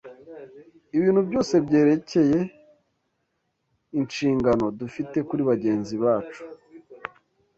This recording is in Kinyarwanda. Ibintu byose byerekeye inshingano dufite kuri bagenzi bacu